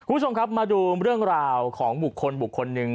คุณผู้ชมครับมาดูเรื่องราวของบุคคลบุคคลหนึ่ง